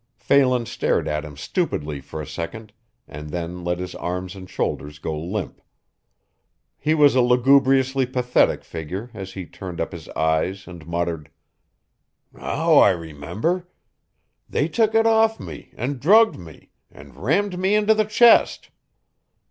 Phelan stared at him stupidly for a second and then let his arms and shoulders go limp. He was a lugubriously pathetic figure as he turned up his eyes and muttered: "Now, I remember they took it off me and drugged me an' rammed me into the chest.